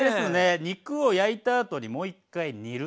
肉を焼いたあとにもう一回煮る。